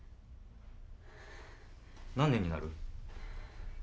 何年になる？